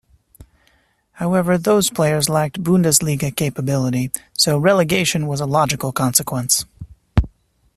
However, those players lacked Bundesliga capability, so relegation was a logical consequence.